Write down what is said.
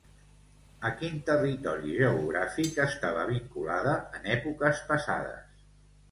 A quin territori geogràfic estava vinculada en èpoques passades?